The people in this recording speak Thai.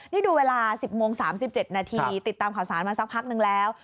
นี่ดูเวลา๑๐โมง๓๗นาทีติดตามข่าวสารมาสักพักนึงแล้ว